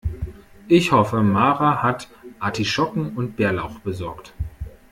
Ich hoffe, Mara hat Artischocken und Bärlauch besorgt.